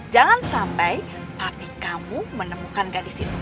jangan sampai papi kamu menemukan gadis itu ya